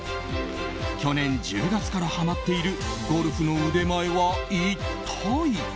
去年１０月からはまっているゴルフの腕前は一体？